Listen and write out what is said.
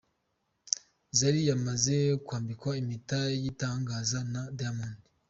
Zari yamaze kwambikwa impeta y’igitangaza na Diamond.